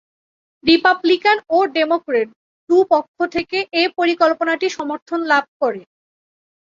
Republican ও Democrat দুই পক্ষ থেকে এ পরিকল্পনাটি সমর্থন লাভ করে।